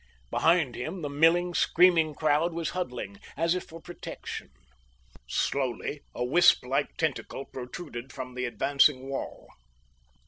Behind him the milling, screaming crowd was huddling, as if for protection. Slowly a wisp like tentacle protruded from the advancing wall.